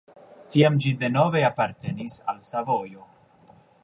Tiam ĝi denove apartenis al Savojo.